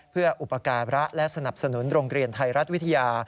เพื่ออุปการะและสนับสนุนโรงเรียนไทยรัฐวิทยา